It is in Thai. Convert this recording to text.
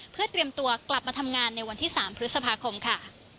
เพื่อเตรียมตัวกลับมาทำงานในวันที่๓พฤษภาคมค่ะ